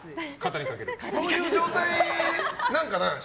そういう状態なのかな